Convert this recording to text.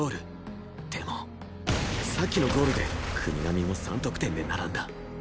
でもさっきのゴールで國神も３得点で並んだ